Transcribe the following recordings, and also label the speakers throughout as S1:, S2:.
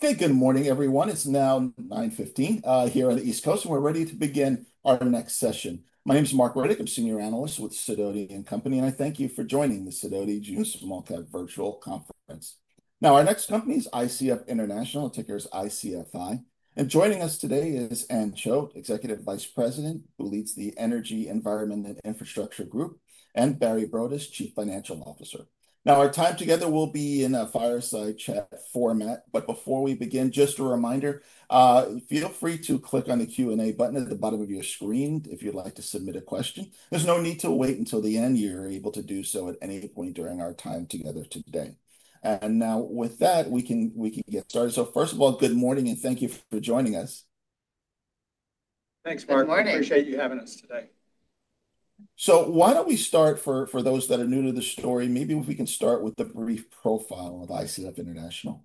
S1: Okay, good morning, everyone. It's now 9:15 here on the East Coast, and we're ready to begin our next session. My name is Marc Riddick. I'm a senior analyst with Sidoti & Company, and I thank you for joining the Sidoti-Gues Maltcap Virtual Conference. Now, our next company is ICF International, ticker is ICFI. Joining us today is Anne Choate, Executive Vice President, who leads the Energy, Environment, and Infrastructure Group, and Barry Broadus, Chief Financial Officer. Our time together will be in a fireside chat format. Before we begin, just a reminder, feel free to click on the Q&A button at the bottom of your screen if you'd like to submit a question. There's no need to wait until the end. You're able to do so at any point during our time together today. With that, we can get started. First of all, good morning, and thank you for joining us.
S2: Thanks, Marc.
S3: Good morning.
S2: Appreciate you having us today.
S1: Why don't we start, for those that are new to the story, maybe if we can start with the brief profile of ICF International.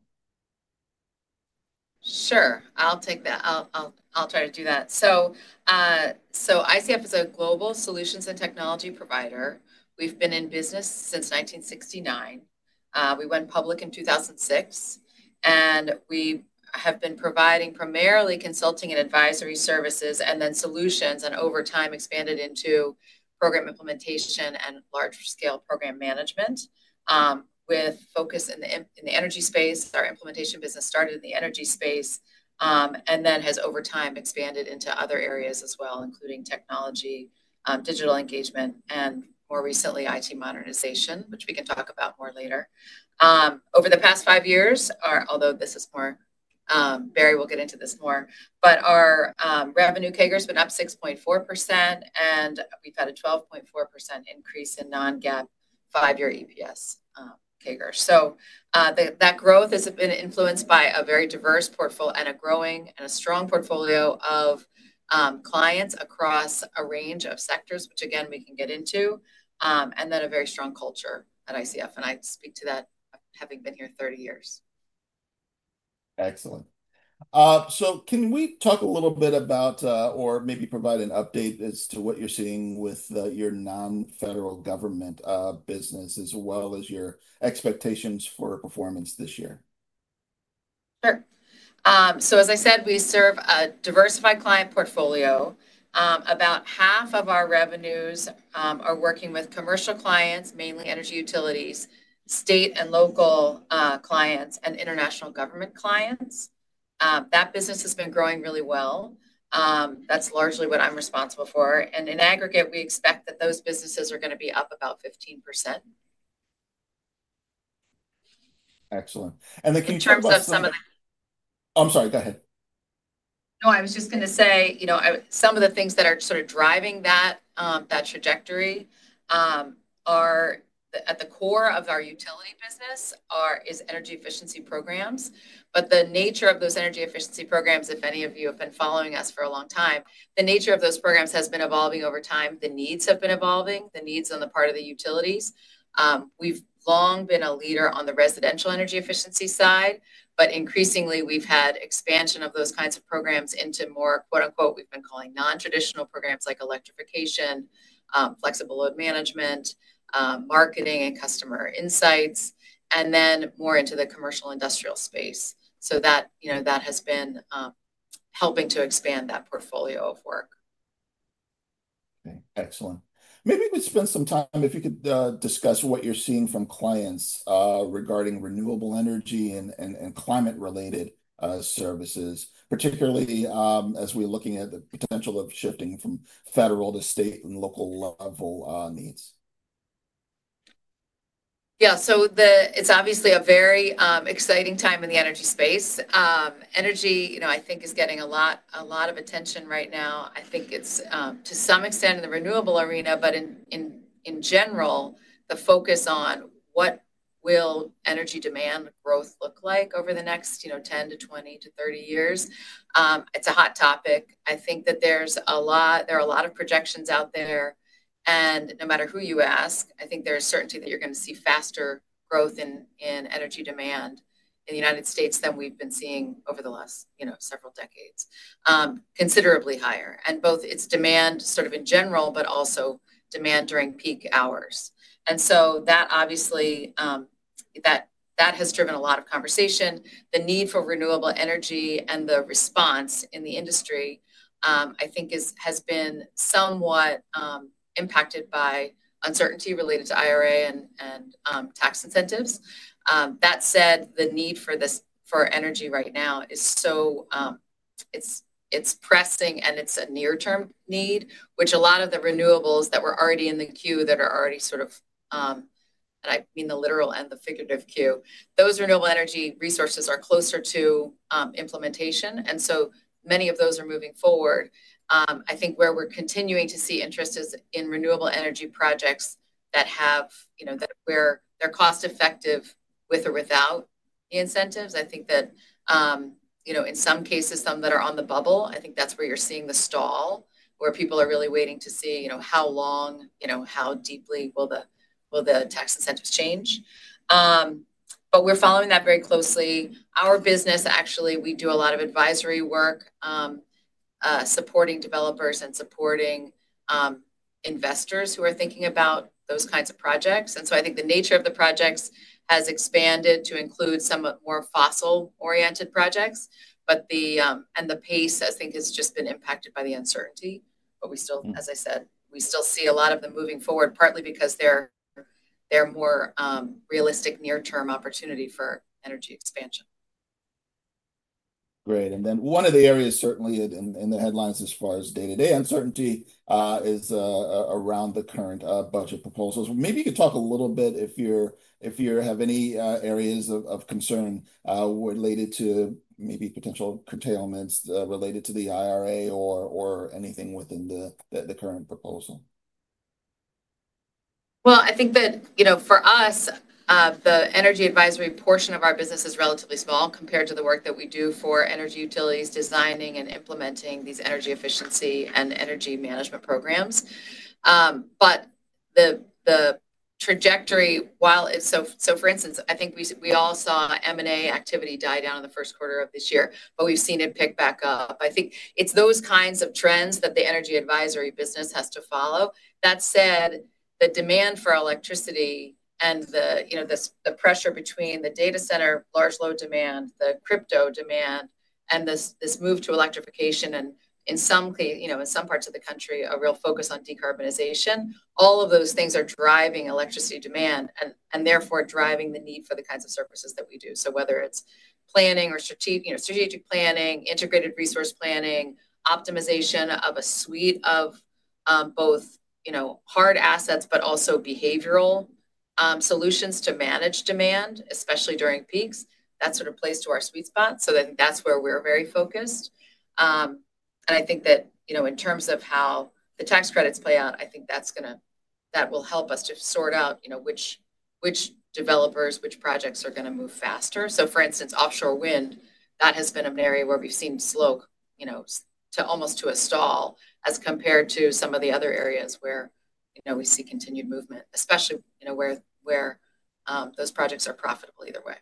S3: Sure. I'll take that. I'll try to do that. So ICF is a global solutions and technology provider. We've been in business since 1969. We went public in 2006, and we have been providing primarily consulting and advisory services, and then solutions, and over time expanded into program implementation and large-scale program management with focus in the energy space. Our implementation business started in the energy space and then has over time expanded into other areas as well, including technology, digital engagement, and more recently, IT modernization, which we can talk about more later. Over the past five years, although this is more Barry will get into this more, but our revenue CAGR has been up 6.4%, and we've had a 12.4% increase in non-GAAP five-year EPS CAGR. That growth has been influenced by a very diverse portfolio and a growing and a strong portfolio of clients across a range of sectors, which, again, we can get into, and then a very strong culture at ICF. I speak to that having been here 30 years.
S1: Excellent. Can we talk a little bit about or maybe provide an update as to what you're seeing with your non-federal government business as well as your expectations for performance this year?
S3: Sure. As I said, we serve a diversified client portfolio. About half of our revenues are working with commercial clients, mainly energy utilities, state and local clients, and international government clients. That business has been growing really well. That is largely what I'm responsible for. In aggregate, we expect that those businesses are going to be up about 15%.
S1: Excellent. The.
S3: In terms of some of the.
S1: I'm sorry, go ahead.
S3: No, I was just going to say some of the things that are sort of driving that trajectory are at the core of our utility business is energy efficiency programs. The nature of those energy efficiency programs, if any of you have been following us for a long time, the nature of those programs has been evolving over time. The needs have been evolving, the needs on the part of the utilities. We've long been a leader on the residential energy efficiency side, but increasingly, we've had expansion of those kinds of programs into more, we've been calling non-traditional programs like electrification, flexible load management, marketing, and customer insights, and then more into the commercial industrial space. That has been helping to expand that portfolio of work.
S1: Okay. Excellent. Maybe we could spend some time if you could discuss what you're seeing from clients regarding renewable energy and climate-related services, particularly as we're looking at the potential of shifting from federal to state and local level needs.
S3: Yeah. So it's obviously a very exciting time in the energy space. Energy, I think, is getting a lot of attention right now. I think it's, to some extent, in the renewable arena, but in general, the focus on what will energy demand growth look like over the next 10 to 20 to 30 years. It's a hot topic. I think that there are a lot of projections out there. No matter who you ask, I think there is certainty that you're going to see faster growth in energy demand in the United States than we've been seeing over the last several decades, considerably higher, and both its demand sort of in general, but also demand during peak hours. That, obviously, has driven a lot of conversation. The need for renewable energy and the response in the industry, I think, has been somewhat impacted by uncertainty related to IRA and tax incentives. That said, the need for energy right now is so pressing, and it's a near-term need, which a lot of the renewables that were already in the queue that are already sort of, and I mean the literal and the figurative queue, those renewable energy resources are closer to implementation. Many of those are moving forward. I think where we're continuing to see interest is in renewable energy projects that have where they're cost-effective with or without the incentives. I think that in some cases, some that are on the bubble, that's where you're seeing the stall, where people are really waiting to see how long, how deeply will the tax incentives change. We're following that very closely. Our business, actually, we do a lot of advisory work supporting developers and supporting investors who are thinking about those kinds of projects. I think the nature of the projects has expanded to include some more fossil-oriented projects. The pace, I think, has just been impacted by the uncertainty. As I said, we still see a lot of them moving forward, partly because they're more realistic near-term opportunity for energy expansion.
S1: Great. One of the areas certainly in the headlines as far as day-to-day uncertainty is around the current budget proposals. Maybe you could talk a little bit if you have any areas of concern related to maybe potential curtailments related to the IRA or anything within the current proposal.
S3: I think that for us, the energy advisory portion of our business is relatively small compared to the work that we do for energy utilities designing and implementing these energy efficiency and energy management programs. The trajectory, while it is, for instance, I think we all saw M&A activity die down in the first quarter of this year, but we've seen it pick back up. I think it's those kinds of trends that the energy advisory business has to follow. That said, the demand for electricity and the pressure between the data center, large load demand, the crypto demand, and this move to electrification, and in some parts of the country, a real focus on decarbonization, all of those things are driving electricity demand and therefore driving the need for the kinds of services that we do. Whether it's planning or strategic planning, integrated resource planning, optimization of a suite of both hard assets, but also behavioral solutions to manage demand, especially during peaks, that sort of plays to our sweet spot. I think that's where we're very focused. I think that in terms of how the tax credits play out, that will help us to sort out which developers, which projects are going to move faster. For instance, offshore wind, that has been an area where we've seen slope to almost to a stall as compared to some of the other areas where we see continued movement, especially where those projects are profitable either way.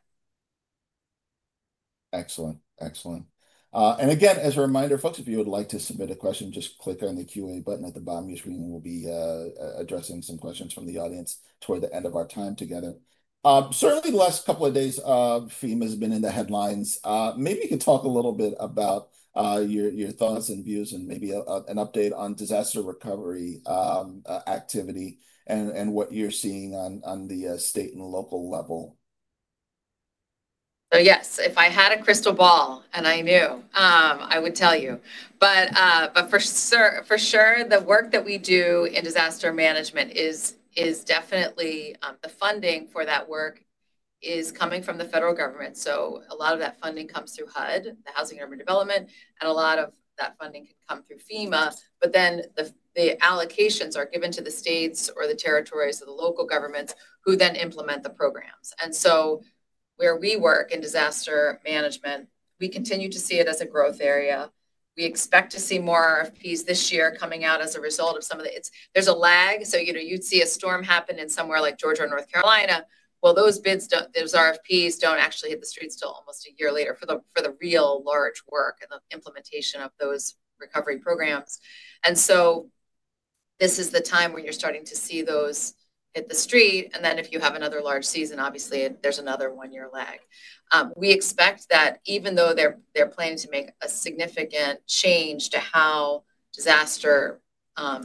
S1: Excellent. Excellent. Again, as a reminder, folks, if you would like to submit a question, just click on the Q&A button at the bottom of your screen. We'll be addressing some questions from the audience toward the end of our time together. Certainly, the last couple of days, FEMA has been in the headlines. Maybe you could talk a little bit about your thoughts and views and maybe an update on disaster recovery activity and what you're seeing on the state and local level.
S3: Yes. If I had a crystal ball and I knew, I would tell you. For sure, the work that we do in disaster management is definitely the funding for that work is coming from the federal government. A lot of that funding comes through HUD, the Housing and Urban Development, and a lot of that funding can come through FEMA. The allocations are given to the states or the territories or the local governments who then implement the programs. Where we work in disaster management, we continue to see it as a growth area. We expect to see more RFPs this year coming out as a result of some of the, there's a lag. You'd see a storm happen in somewhere like Georgia or North Carolina. Those RFPs do not actually hit the streets till almost a year later for the real large work and the implementation of those recovery programs. This is the time when you are starting to see those hit the street. If you have another large season, obviously, there is another one-year lag. We expect that even though they are planning to make a significant change to how disaster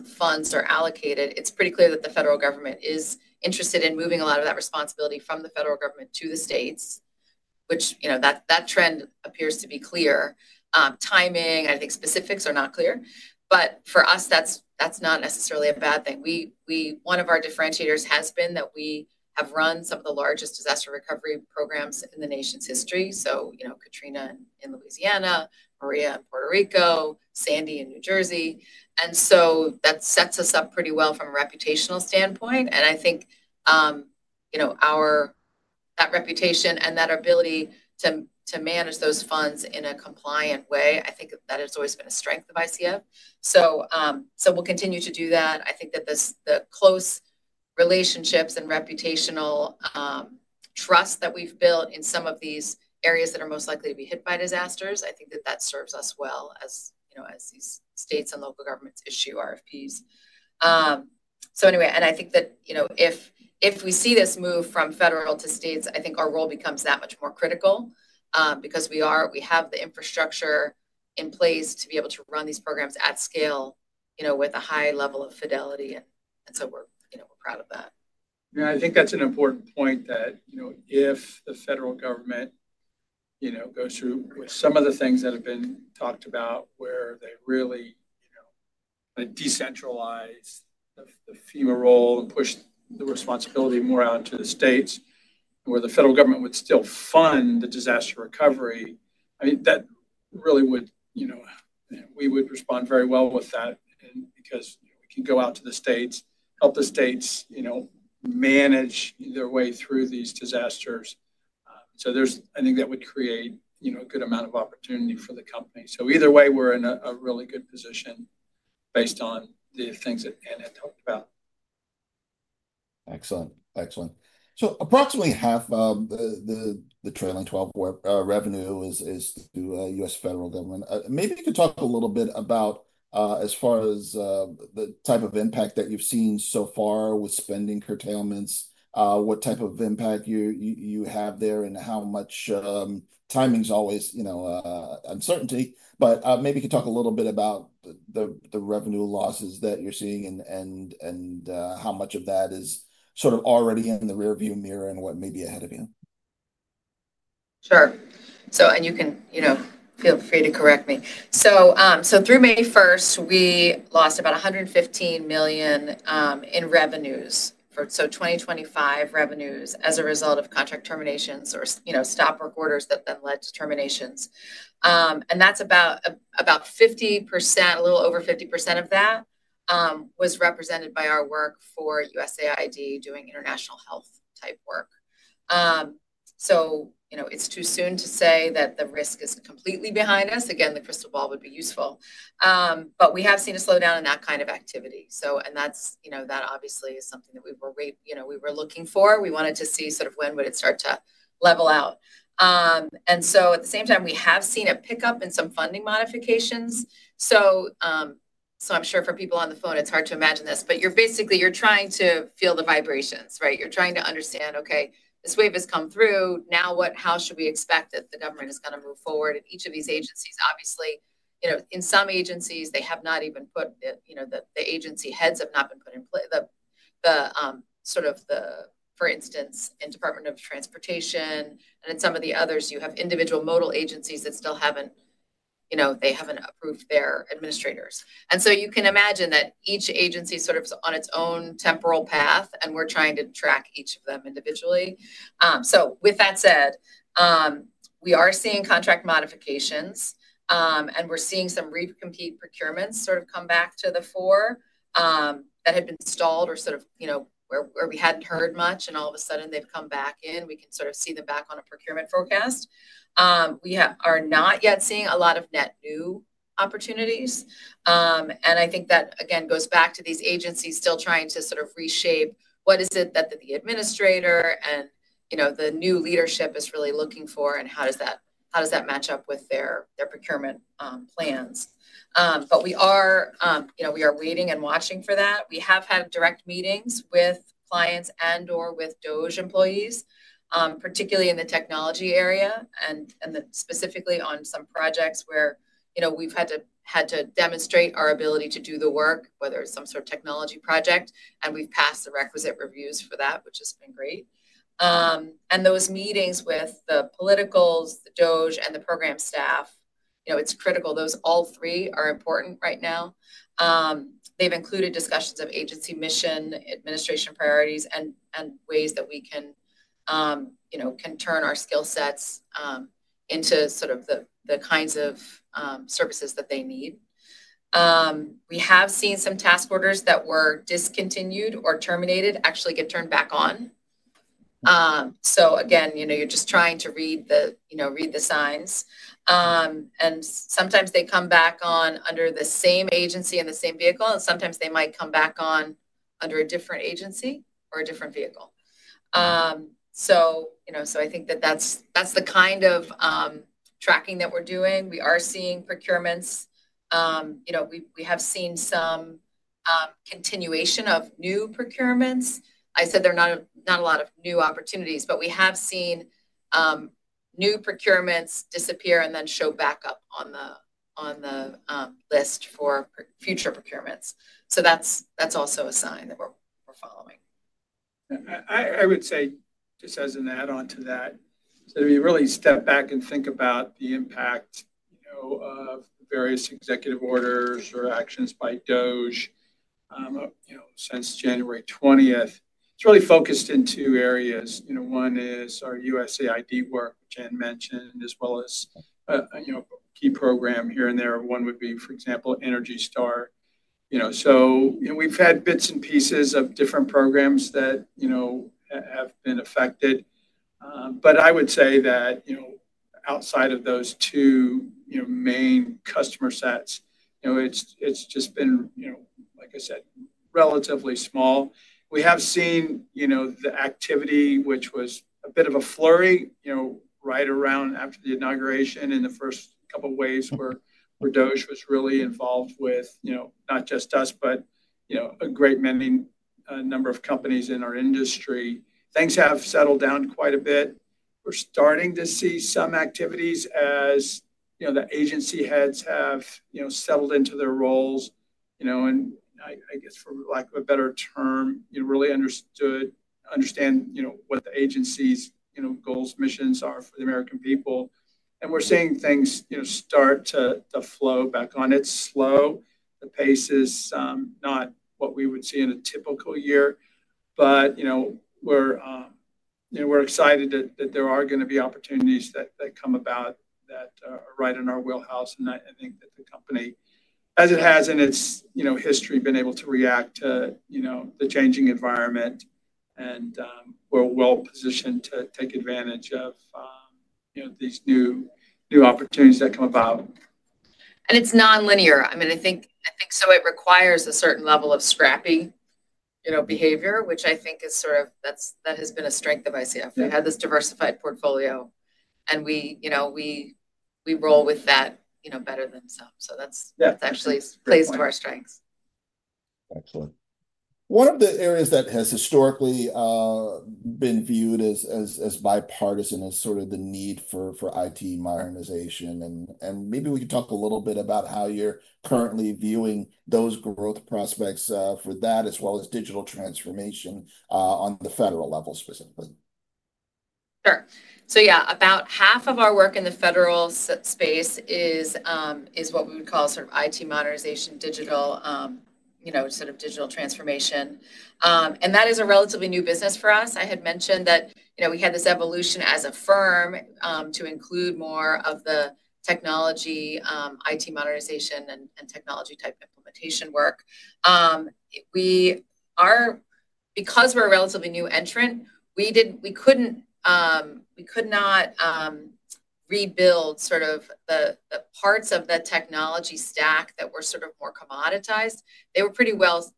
S3: funds are allocated, it is pretty clear that the federal government is interested in moving a lot of that responsibility from the federal government to the states, which that trend appears to be clear. Timing, I think specifics are not clear. For us, that is not necessarily a bad thing. One of our differentiators has been that we have run some of the largest disaster recovery programs in the nation's history. Katrina in Louisiana, Maria in Puerto Rico, Sandy in New Jersey. That sets us up pretty well from a reputational standpoint. I think that reputation and that ability to manage those funds in a compliant way, I think that has always been a strength of ICF. We'll continue to do that. I think that the close relationships and reputational trust that we've built in some of these areas that are most likely to be hit by disasters, I think that serves us well as these states and local governments issue RFPs. If we see this move from federal to states, I think our role becomes that much more critical because we have the infrastructure in place to be able to run these programs at scale with a high level of fidelity. We're proud of that.
S2: Yeah. I think that's an important point that if the federal government goes through with some of the things that have been talked about where they really decentralize the FEMA role and push the responsibility more out to the states where the federal government would still fund the disaster recovery, I mean, that really would, we would respond very well with that because we can go out to the states, help the states manage their way through these disasters. I think that would create a good amount of opportunity for the company. Either way, we're in a really good position based on the things that Anne had talked about.
S1: Excellent. Excellent. Approximately half of the trailing 12 revenue is to US federal government. Maybe you could talk a little bit about as far as the type of impact that you've seen so far with spending curtailments, what type of impact you have there and how much timing is always uncertainty. Maybe you could talk a little bit about the revenue losses that you're seeing and how much of that is sort of already in the rearview mirror and what may be ahead of you.
S3: Sure. You can feel free to correct me. Through May 1, we lost about $115 million in revenues, so 2025 revenues as a result of contract terminations or stop work orders that then led to terminations. That is about 50%, a little over 50% of that was represented by our work for USAID doing international health-type work. It is too soon to say that the risk is completely behind us. Again, the crystal ball would be useful. We have seen a slowdown in that kind of activity. That obviously is something that we were looking for. We wanted to see sort of when it would start to level out. At the same time, we have seen a pickup in some funding modifications. I am sure for people on the phone, it is hard to imagine this, but basically, you are trying to feel the vibrations, right? You're trying to understand, okay, this wave has come through. Now, how should we expect that the government is going to move forward? And each of these agencies, obviously, in some agencies, they have not even put the agency heads have not been put in place. For instance, in Department of Transportation and in some of the others, you have individual modal agencies that still haven't approved their administrators. You can imagine that each agency is on its own temporal path, and we're trying to track each of them individually. With that said, we are seeing contract modifications, and we're seeing some re-compete procurements come back to the fore that had been stalled or where we hadn't heard much, and all of a sudden, they've come back in. We can sort of see them back on a procurement forecast. We are not yet seeing a lot of net new opportunities. I think that, again, goes back to these agencies still trying to sort of reshape what is it that the administrator and the new leadership is really looking for and how does that match up with their procurement plans. We are waiting and watching for that. We have had direct meetings with clients and/or with DOGE employees, particularly in the technology area and specifically on some projects where we've had to demonstrate our ability to do the work, whether it's some sort of technology project. We've passed the requisite reviews for that, which has been great. Those meetings with the politicals, the DOGE, and the program staff, it's critical. Those all three are important right now. They've included discussions of agency mission, administration priorities, and ways that we can turn our skill sets into sort of the kinds of services that they need. We have seen some task orders that were discontinued or terminated actually get turned back on. You are just trying to read the signs. Sometimes they come back on under the same agency and the same vehicle, and sometimes they might come back on under a different agency or a different vehicle. I think that is the kind of tracking that we are doing. We are seeing procurements. We have seen some continuation of new procurements. I said there are not a lot of new opportunities, but we have seen new procurements disappear and then show back up on the list for future procurements. That is also a sign that we are following.
S2: I would say just as an add-on to that, so we really step back and think about the impact of various executive orders or actions by DOGE since January 20th. It's really focused in two areas. One is our USAID work, which Anne mentioned, as well as key program here and there. One would be, for example, Energy Star. So we've had bits and pieces of different programs that have been affected. I would say that outside of those two main customer sets, it's just been, like I said, relatively small. We have seen the activity, which was a bit of a flurry right around after the inauguration in the first couple of waves where DOGE was really involved with not just us, but a great many number of companies in our industry. Things have settled down quite a bit. We're starting to see some activities as the agency heads have settled into their roles. I guess, for lack of a better term, really understand what the agency's goals, missions are for the American people. We're seeing things start to flow back on. It's slow. The pace is not what we would see in a typical year. We're excited that there are going to be opportunities that come about that are right in our wheelhouse. I think that the company, as it has in its history, has been able to react to the changing environment and we're well positioned to take advantage of these new opportunities that come about.
S3: It is nonlinear. I mean, I think it requires a certain level of scrappy behavior, which I think is sort of that has been a strength of ICF. They had this diversified portfolio, and we roll with that better than some. That actually plays to our strengths.
S1: Excellent. One of the areas that has historically been viewed as bipartisan is sort of the need for IT modernization. Maybe we could talk a little bit about how you're currently viewing those growth prospects for that as well as digital transformation on the federal level specifically.
S3: Sure. So yeah, about half of our work in the federal space is what we would call sort of IT modernization, digital sort of digital transformation. And that is a relatively new business for us. I had mentioned that we had this evolution as a firm to include more of the technology, IT modernization, and technology-type implementation work. Because we're a relatively new entrant, we could not rebuild sort of the parts of the technology stack that were sort of more commoditized. They were pretty well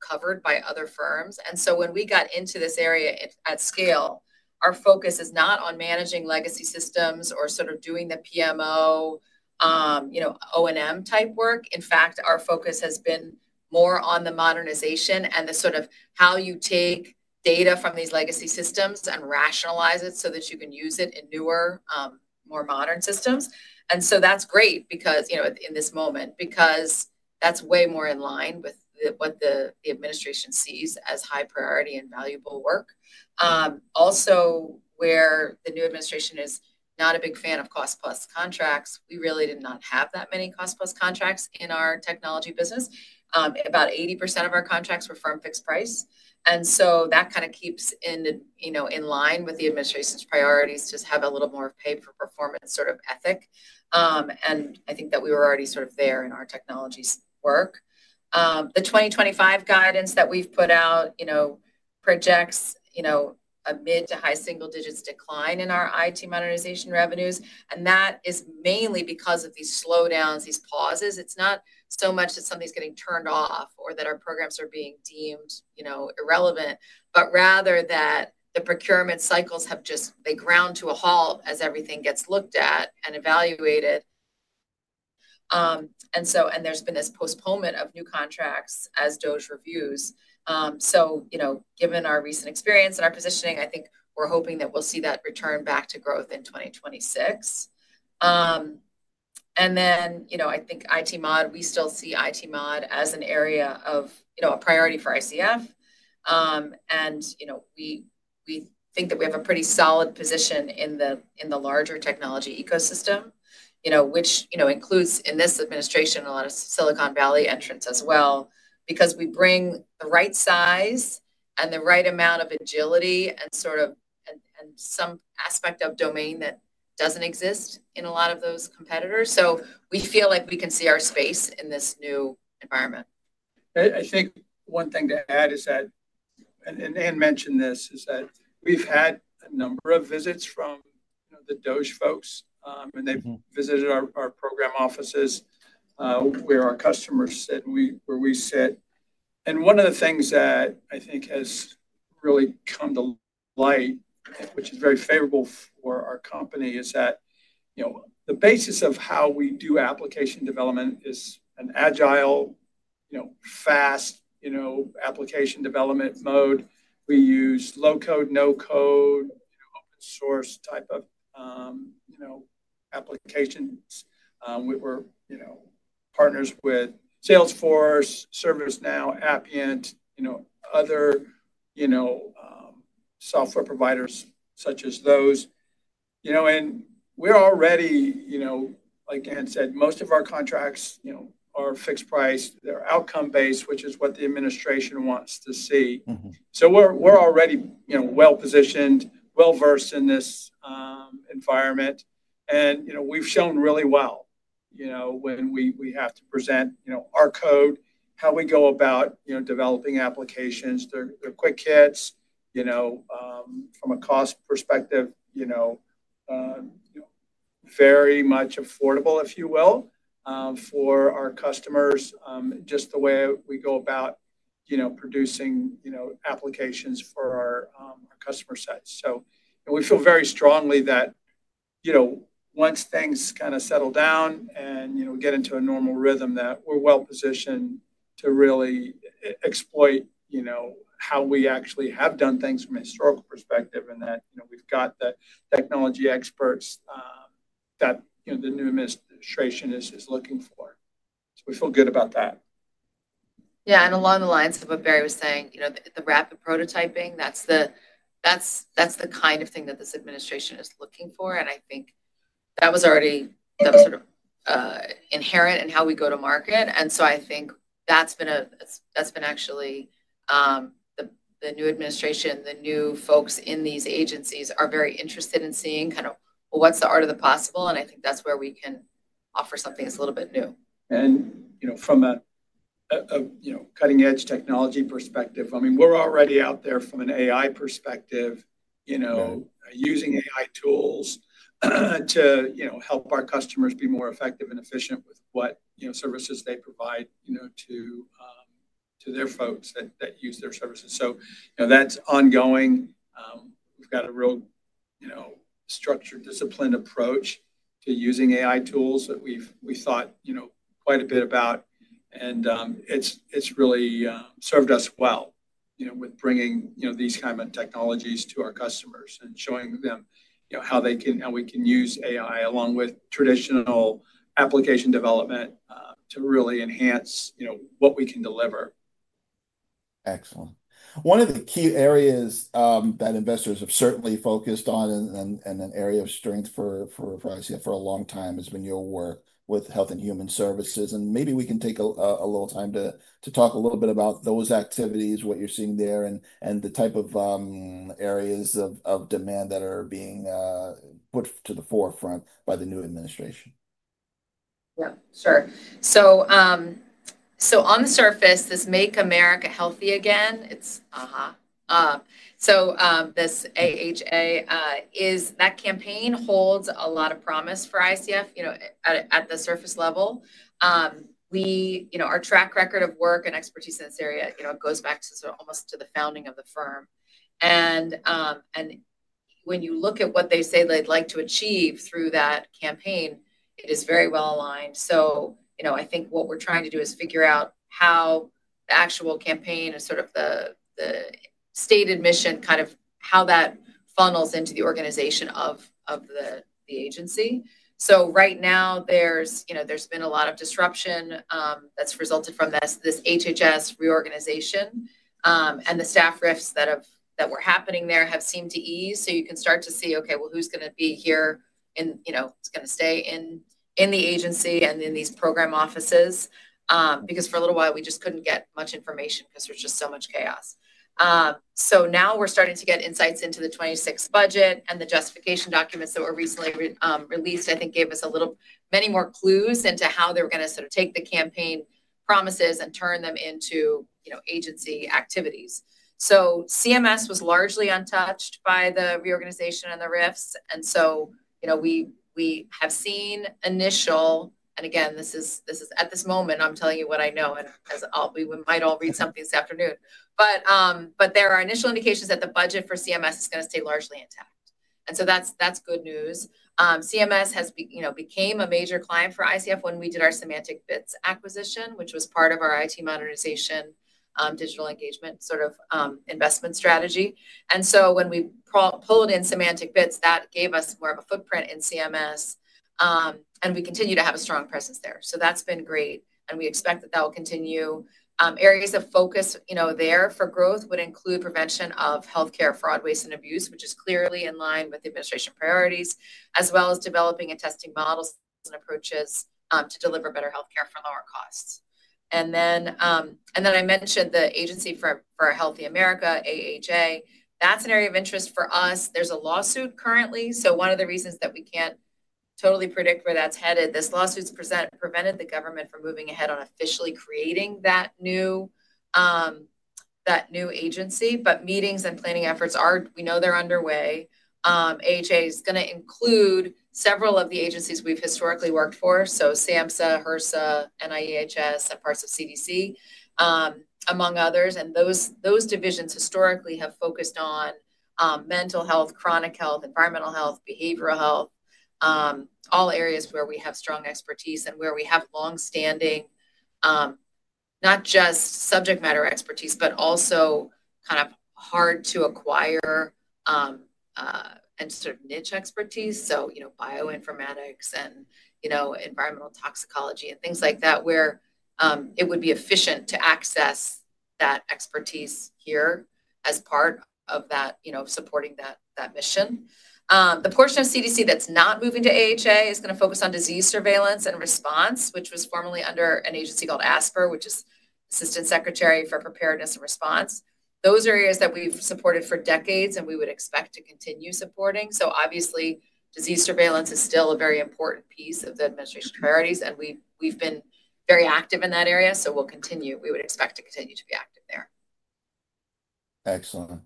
S3: covered by other firms. And so when we got into this area at scale, our focus is not on managing legacy systems or sort of doing the PMO, O&M-type work. In fact, our focus has been more on the modernization and the sort of how you take data from these legacy systems and rationalize it so that you can use it in newer, more modern systems. That is great in this moment because that is way more in line with what the administration sees as high priority and valuable work. Also, where the new administration is not a big fan of cost-plus contracts, we really did not have that many cost-plus contracts in our technology business. About 80% of our contracts were firm fixed price. That kind of keeps in line with the administration's priorities to have a little more pay-for-performance sort of ethic. I think that we were already sort of there in our technology work. The 2025 guidance that we have put out projects a mid to high single-digit decline in our IT modernization revenues. That is mainly because of these slowdowns, these pauses. It's not so much that something's getting turned off or that our programs are being deemed irrelevant, but rather that the procurement cycles have just ground to a halt as everything gets looked at and evaluated. There's been this postponement of new contracts as DOGE reviews. Given our recent experience and our positioning, I think we're hoping that we'll see that return back to growth in 2026. I think IT mod, we still see IT mod as an area of a priority for ICF. We think that we have a pretty solid position in the larger technology ecosystem, which includes in this administration a lot of Silicon Valley entrants as well because we bring the right size and the right amount of agility and sort of some aspect of domain that does not exist in a lot of those competitors. We feel like we can see our space in this new environment.
S2: I think one thing to add is that, and Anne mentioned this, is that we've had a number of visits from the DOGE folks, and they've visited our program offices where our customers sit and where we sit. One of the things that I think has really come to light, which is very favorable for our company, is that the basis of how we do application development is an agile, fast application development mode. We use low-code, no-code, open-source type of applications. We're partners with Salesforce, ServiceNow, Appian, other software providers such as those. We're already, like Anne said, most of our contracts are fixed price. They're outcome-based, which is what the administration wants to see. We're already well-positioned, well-versed in this environment. We've shown really well when we have to present our code, how we go about developing applications. They're quick hits from a cost perspective, very much affordable, if you will, for our customers, just the way we go about producing applications for our customer sets. We feel very strongly that once things kind of settle down and we get into a normal rhythm, that we're well-positioned to really exploit how we actually have done things from a historical perspective and that we've got the technology experts that the new administration is looking for. We feel good about that.
S3: Yeah. Along the lines of what Barry was saying, the rapid prototyping, that's the kind of thing that this administration is looking for. I think that was already sort of inherent in how we go to market. I think that's been actually the new administration, the new folks in these agencies are very interested in seeing kind of what's the art of the possible. I think that's where we can offer something that's a little bit new.
S2: From a cutting-edge technology perspective, I mean, we're already out there from an AI perspective, using AI tools to help our customers be more effective and efficient with what services they provide to their folks that use their services. That is ongoing. We've got a real structured, disciplined approach to using AI tools that we've thought quite a bit about. It has really served us well with bringing these kinds of technologies to our customers and showing them how we can use AI along with traditional application development to really enhance what we can deliver.
S1: Excellent. One of the key areas that investors have certainly focused on and an area of strength for ICF for a long time has been your work with Health and Human Services. Maybe we can take a little time to talk a little bit about those activities, what you're seeing there, and the type of areas of demand that are being put to the forefront by the new administration.
S3: Yeah. Sure. On the surface, this Make America Healthy Again, it's uh-huh. This AHA, that campaign holds a lot of promise for ICF at the surface level. Our track record of work and expertise in this area goes back almost to the founding of the firm. When you look at what they say they'd like to achieve through that campaign, it is very well aligned. I think what we're trying to do is figure out how the actual campaign and sort of the stated mission, kind of how that funnels into the organization of the agency. Right now, there's been a lot of disruption that's resulted from this HHS reorganization. The staff rifts that were happening there have seemed to ease. You can start to see, okay, well, who's going to be here? It's going to stay in the agency and in these program offices because for a little while, we just couldn't get much information because there's just so much chaos. Now we're starting to get insights into the 2026 budget and the justification documents that were recently released, I think, gave us many more clues into how they were going to sort of take the campaign promises and turn them into agency activities. CMS was largely untouched by the reorganization and the rifts. We have seen initial—and again, this is at this moment, I'm telling you what I know, and we might all read something this afternoon. There are initial indications that the budget for CMS is going to stay largely intact. That's good news. CMS became a major client for ICF when we did our SemanticBits acquisition, which was part of our IT modernization, digital engagement sort of investment strategy. When we pulled in SemanticBits, that gave us more of a footprint in CMS. We continue to have a strong presence there. That has been great. We expect that will continue. Areas of focus there for growth would include prevention of healthcare fraud, waste, and abuse, which is clearly in line with the administration priorities, as well as developing and testing models and approaches to deliver better healthcare for lower costs. I mentioned the Agency for a Healthy America, AHA. That is an area of interest for us. There is a lawsuit currently. One of the reasons that we can't totally predict where that's headed, this lawsuit's prevented the government from moving ahead on officially creating that new agency. Meetings and planning efforts, we know they're underway. AHA is going to include several of the agencies we've historically worked for, so SAMHSA, HRSA, NIEHS, and parts of CDC, among others. Those divisions historically have focused on mental health, chronic health, environmental health, behavioral health, all areas where we have strong expertise and where we have long-standing, not just subject matter expertise, but also kind of hard-to-acquire and sort of niche expertise. Bioinformatics and environmental toxicology and things like that, where it would be efficient to access that expertise here as part of that, supporting that mission. The portion of CDC that's not moving to AHA is going to focus on disease surveillance and response, which was formerly under an agency called ASPR, which is Assistant Secretary for Preparedness and Response. Those are areas that we've supported for decades and we would expect to continue supporting. Obviously, disease surveillance is still a very important piece of the administration priorities, and we've been very active in that area. We would expect to continue to be active there.
S1: Excellent.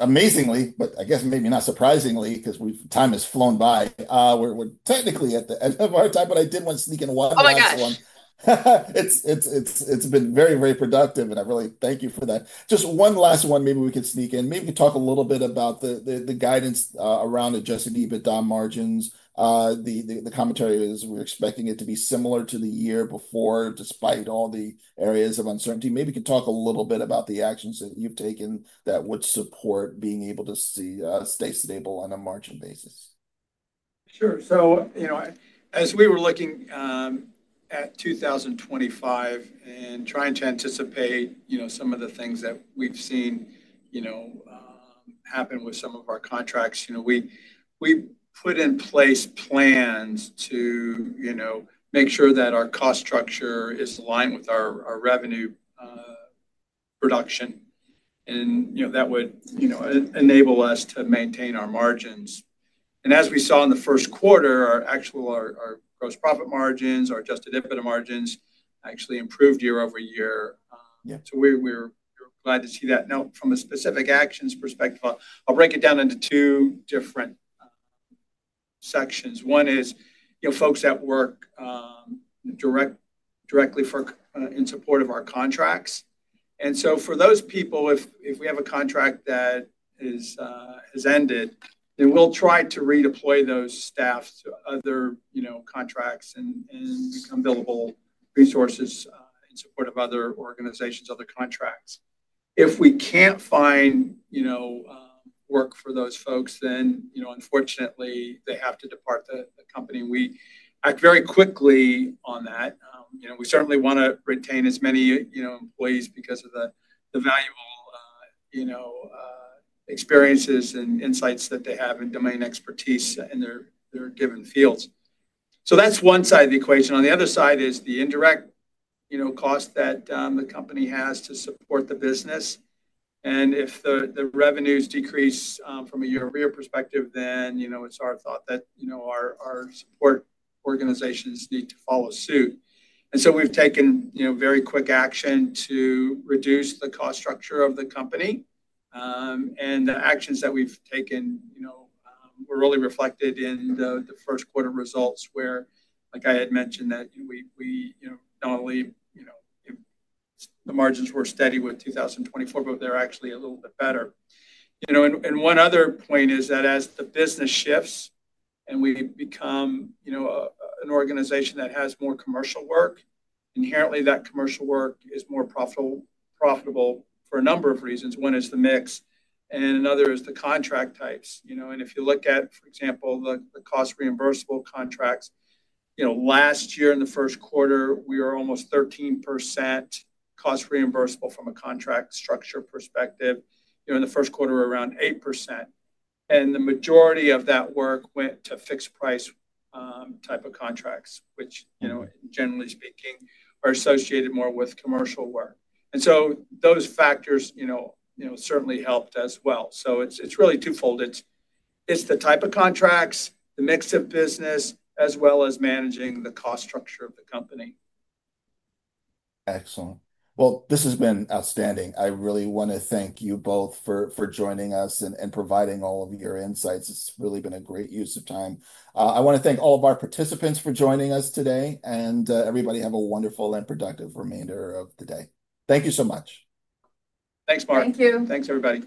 S1: Amazingly, but I guess maybe not surprisingly because time has flown by. We're technically at the end of our time, but I did want to sneak in one last one.
S3: Oh, my God.
S1: It's been very, very productive, and I really thank you for that. Just one last one, maybe we could sneak in. Maybe we could talk a little bit about the guidance around adjusted EBITDA margins. The commentary is we're expecting it to be similar to the year before, despite all the areas of uncertainty. Maybe we could talk a little bit about the actions that you've taken that would support being able to stay stable on a margin basis.
S2: Sure. As we were looking at 2025 and trying to anticipate some of the things that we've seen happen with some of our contracts, we put in place plans to make sure that our cost structure is aligned with our revenue production. That would enable us to maintain our margins. As we saw in the first quarter, our gross profit margins, our adjusted EBITDA margins actually improved year over year. We're glad to see that. Now, from a specific actions perspective, I'll break it down into two different sections. One is folks that work directly in support of our contracts. For those people, if we have a contract that has ended, then we'll try to redeploy those staff to other contracts and become billable resources in support of other organizations, other contracts. If we can't find work for those folks, then unfortunately, they have to depart the company. We act very quickly on that. We certainly want to retain as many employees because of the valuable experiences and insights that they have and domain expertise in their given fields. That is one side of the equation. On the other side is the indirect cost that the company has to support the business. If the revenues decrease from a year-over-year perspective, then it is our thought that our support organizations need to follow suit. We have taken very quick action to reduce the cost structure of the company. The actions that we have taken were really reflected in the first quarter results, where, like I had mentioned, we not only saw the margins were steady with 2024, but they are actually a little bit better. One other point is that as the business shifts and we become an organization that has more commercial work, inherently, that commercial work is more profitable for a number of reasons. One is the mix, and another is the contract types. If you look at, for example, the cost-reimbursable contracts, last year in the first quarter, we were almost 13% cost-reimbursable from a contract structure perspective. In the first quarter, we were around 8%. The majority of that work went to fixed-price type of contracts, which, generally speaking, are associated more with commercial work. Those factors certainly helped as well. It is really twofold. It is the type of contracts, the mix of business, as well as managing the cost structure of the company.
S1: Excellent. This has been outstanding. I really want to thank you both for joining us and providing all of your insights. It's really been a great use of time. I want to thank all of our participants for joining us today. Everybody have a wonderful and productive remainder of the day. Thank you so much.
S2: Thanks, Marc.
S3: Thank you.
S2: Thanks, everybody.